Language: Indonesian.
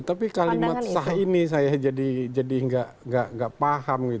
tapi kalimat sah ini saya jadi nggak paham